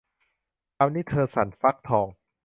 คราวนี้เธอสั่นฟักทอง